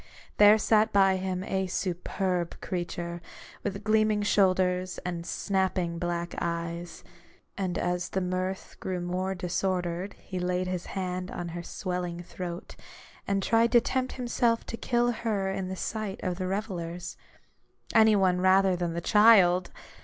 There sat by him a superb creature, with gleaming shoulders and snapping black 122 A BOOK OF BARGAINS, eyes ; and as the mirth grew more disordered, he laid his hand on her swelling throat and tried to tempt himself to kill her in the sight of the revellers. Any one rather than the child